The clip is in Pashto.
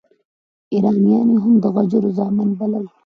ایرانیان یې هم د غجرو زامن بلل.